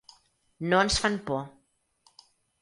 No ens fan por.